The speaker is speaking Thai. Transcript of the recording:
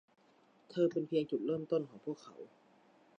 เธอเป็นเพียงจุดเริ่มต้นของพวกเขา